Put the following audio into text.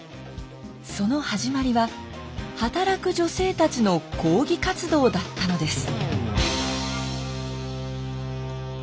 その始まりは働く女性たちの抗議活動だったのです。